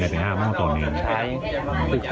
จะเป็นอะไรฟันตอนนี้